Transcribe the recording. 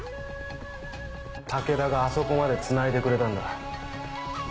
武田があそこまでつないでくれたんだ。